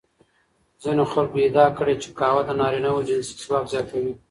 ځینو خلکو ادعا کړې چې قهوه د نارینوو جنسي ځواک زیاتوي.